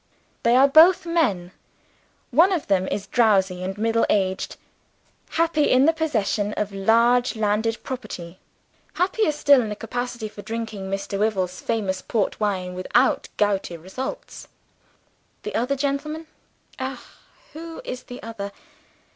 They are both men. One of them is drowsy and middle aged happy in the possession of large landed property: happier still in a capacity for drinking Mr. Wyvil's famous port wine without gouty results. The other gentleman ah, who is the other?